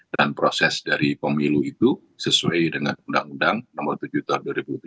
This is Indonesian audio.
dan proses dari pemilu itu sesuai dengan undang undang nomor tujuh tahun dua ribu tujuh belas